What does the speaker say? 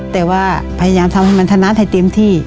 แต่ว่าพยายามทำให้มันถนัดให้เต็มที่